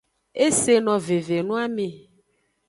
E se no veve noame.